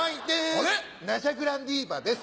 ナジャ・グランディーバです。